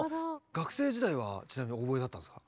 学生時代はちなみにオーボエだったんですか？